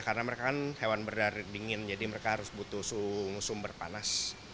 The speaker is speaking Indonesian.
karena mereka kan hewan berdarit dingin jadi mereka harus butuh sumber panas